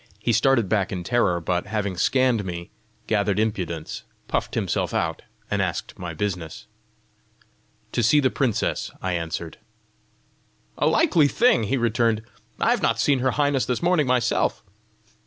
He started back in terror, but having scanned me, gathered impudence, puffed himself out, and asked my business. "To see the princess," I answered. "A likely thing!" he returned. "I have not seen her highness this morning myself!"